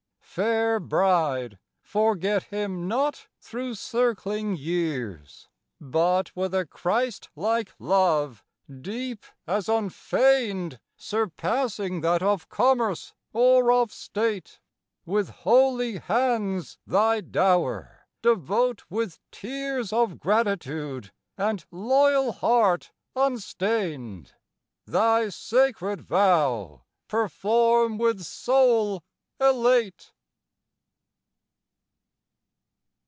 Fair Bride, forget him not through circling years! But with a Christ like love, deep as unfeigned Surpassing that of commerce or of state, With holy hands thy dower devote with tears Of gratitude and loyal heart unstained; Thy sacred vow perform with soul elate.